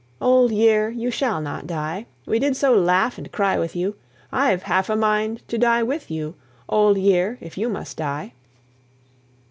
Old year, you shall not die; We did so laugh and cry with you, I've half a mind to die with you, Old year, if you must die.